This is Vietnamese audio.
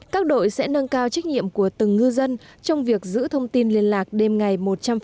các đội sẽ có trách nhiệm của từng ngư dân trong việc giữ thông tin liên lạc đêm ngày một trăm linh